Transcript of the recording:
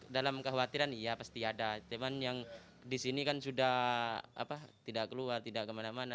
dalam kekhawatiran iya pasti ada teman teman yang di sini kan sudah tidak keluar tidak kemana mana